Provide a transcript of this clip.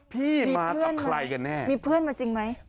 พี่มากับใครกันแน่มีเพื่อนมาจริงไหม